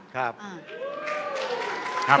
ครับ